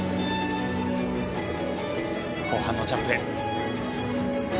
後半のジャンプへ。